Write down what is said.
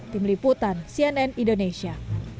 tim liputan cnn indonesia